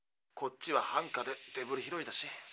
こっちはハンカでデブリ拾いだし。